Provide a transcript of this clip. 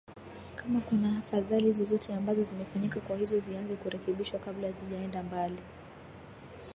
kama kunahafadhali zozote ambazo zimefanyika kwa hiyo zianze kurekebishwa kabla hazijaenda mbali